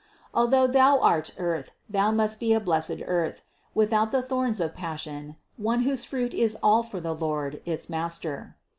Although thou art earth, thou must be a blessed earth, without the thorns of THE CONCEPTION 347 passion, one whose fruit is all for the Lord, its Master.